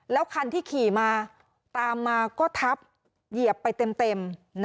แล้วคันที่ขี่มาตามมาก็ทับเหยียบไปเต็ม